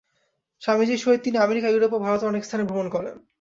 স্বামীজীর সহিত তিনি আমেরিকা, ইউরোপ ও ভারতের অনেক স্থানে ভ্রমণ করেন।